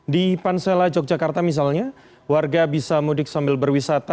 di pansela yogyakarta misalnya warga bisa mudik sambil berwisata